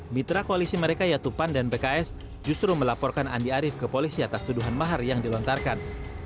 mitra koalisi mereka yaitu pan dan pks justru melaporkan andi arief ke polisi atas tuduhan mahar yang dilontarkan